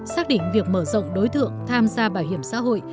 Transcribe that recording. xác định việc mở rộng đối tượng tham gia bảo hiểm xã hội